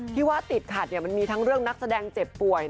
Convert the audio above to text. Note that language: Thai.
ที่ว่าติดขัดมันมีทั้งเรื่องนักแสดงเจ็บป่วย